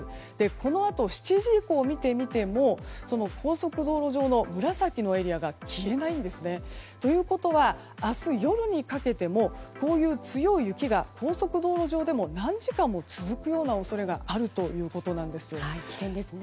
このあと７時以降を見てみても高速道路上の紫のエリアが消えないんですね。ということは、明日夜にかけてもこういう強い雪が高速道路上でも何時間も続くような恐れがあるということなんです。